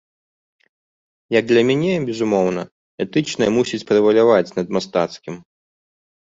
Як для мяне, безумоўна, этычнае мусіць прэваляваць над мастацкім.